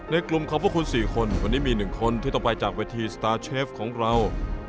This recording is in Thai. ในกลุ่มของพวกคุณ๔คนวันนี้มี๑คนที่ต้องไปจากเวทีสตาร์เชฟของเรา